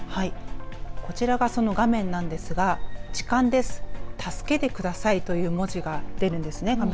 こちらがその場面なんですが痴漢です、助けてくださいという文字が出るんです。